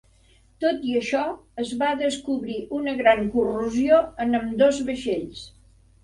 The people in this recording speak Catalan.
Tot i això, es va descobrir una gran corrosió en ambdós vaixells.